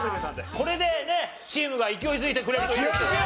これでねチームが勢いづいてくれるといいですよね。